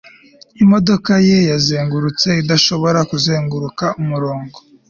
imodoka ye yazungurutse idashobora kuzenguruka umurongo